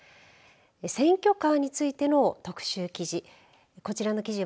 選挙カーについての特集記事。